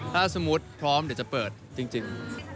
ถ้าสมมุติพร้อมเดี๋ยวจะเปิดจริง